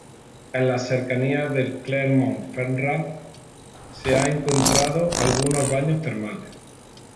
En las cercanías de Clermont-Ferrand se han encontrado algunos baños termales.